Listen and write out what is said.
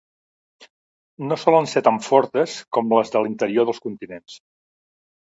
No solen ser tan fortes com les de l’interior dels continents.